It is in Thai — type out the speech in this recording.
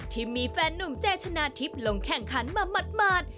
ที่มีแฟนหนุ่มเจชนะทิพย์ลงแข่งขันมาหมาด